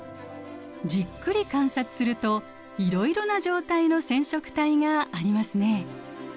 じっくり観察するといろいろな状態の染色体がありますね。